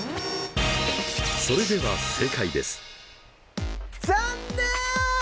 それでは正解です。